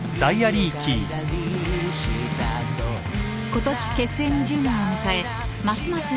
［今年結成２０年を迎えますます